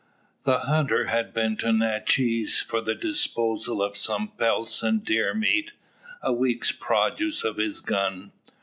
The hunter had been to Natchez for the disposal of some pelts and deer meat, a week's produce of his gun.